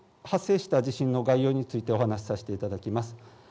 発生した地震の概要についてお話させていただきます。